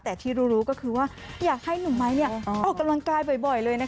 แต่ที่รู้ก็คือว่าอยากให้หนุ่มไม้ออกกำลังกายบ่อยเลย